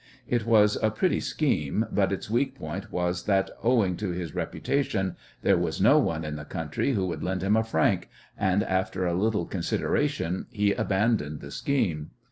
It was a pretty scheme, but its weak point was that, owing to his reputation, there was no one in the country who would lend him a franc, and after a little consideration he abandoned the scheme.